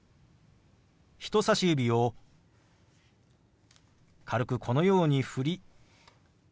人さし指を軽くこのように振りＷｈ